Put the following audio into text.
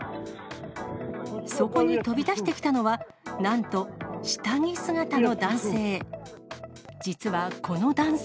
そこに飛び出してきたのは、なんと、下着姿の男性。